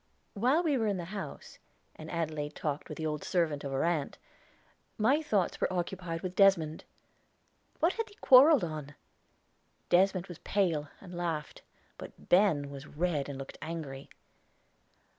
While we were in the house, and Adelaide talked with the old servant of her aunt, my thoughts were occupied with Desmond. What had they quarreled on? Desmond was pale, and laughed; but Ben was red, and looked angry.